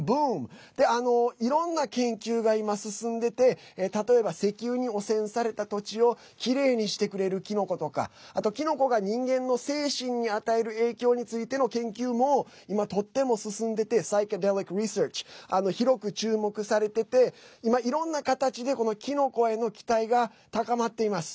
ｔｈｅｓｈｒｏｏｍｂｏｏｍいろんな研究が今、進んでて例えば、石油に汚染された土地をきれいにしてくれるキノコとかあとキノコが人間の精神に与える影響についての研究も今、とっても進んでててｐｓｙｃｈｅｄｅｌｉｃｒｅｓｅａｒｃｈ広く注目されてて今、いろんな形でキノコへの期待が高まっています。